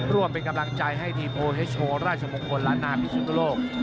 ร่วมเป็นกำลังใจให้ที่โปรดให้โชว์ราชมงคลหลานาภิสุทธโลก